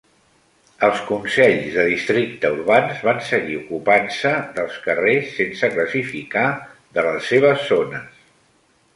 Els consells de districte urbans van seguir ocupant-se dels carrers sense classificar de les seves zones.